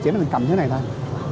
chỉ là mình cầm thứ này thôi